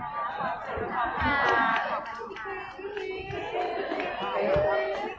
ฮ่าฮ่าฮ่า